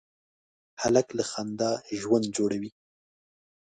هلک له خندا ژوند جوړوي.